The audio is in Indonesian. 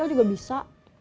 dp kecil juga bisa